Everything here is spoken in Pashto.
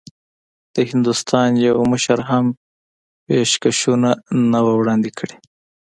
د هندوستان یوه مشر هم پېشکشونه نه وو وړاندي کړي.